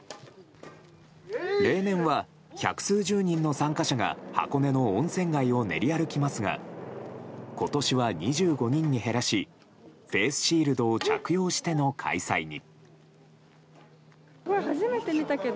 例年は百数十人の参加者が箱根の温泉街を練り歩きますが今年は２５人に減らしフェースシールドを着用しての開催に。